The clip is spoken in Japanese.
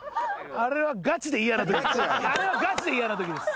あれはガチで嫌なときです。